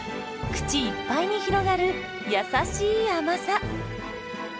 口いっぱいに広がる優しい甘さ。